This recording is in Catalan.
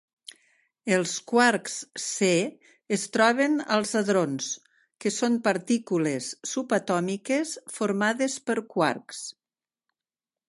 Els quarks c es troben als hadrons, que són partícules subatòmiques formades per quarks.